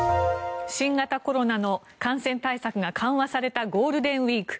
新型コロナの感染対策が緩和されたゴールデンウィーク。